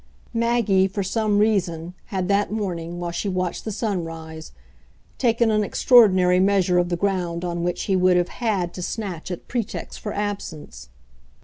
Maggie, for some reason, had that morning, while she watched the sunrise, taken an extraordinary measure of the ground on which he would have HAD to snatch at pretexts for absence.